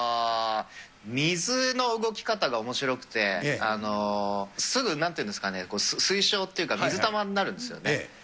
水の動き方がおもしろくて、すぐ、なんていうんですかね、水晶っていうか、水玉になるんですよね。